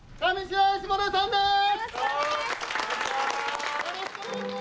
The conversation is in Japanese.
よろしくお願いします。